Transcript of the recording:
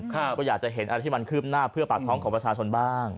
ก็อยากจะเห็นอะไรที่มันคืบหน้าเพื่อปากท้องของประชาชนบ้าง